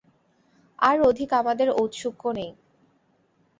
আর অধিক আমাদের ঔৎসুক্য নেই।